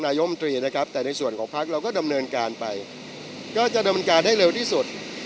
ซักครบก็จะดำเนินการให้เร็วที่ที่สุด